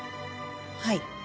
はい。